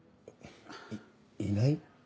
いいない？